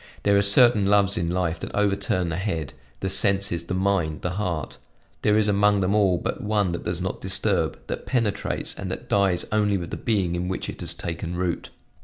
There are certain loves in life that overturn the head, the senses, the mind, the heart; there is among them all but one that does not disturb, that penetrates, and that dies only with the being in which it has taken root."